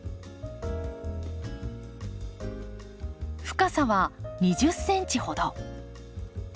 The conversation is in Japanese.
深さは２０ｃｍほど。